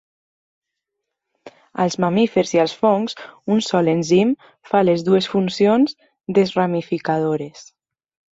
Als mamífers i als fongs, un sol enzim fa les dues funcions desramificadores.